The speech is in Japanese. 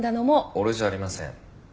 俺じゃありません。